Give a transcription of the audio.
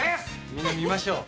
みんな見ましょう。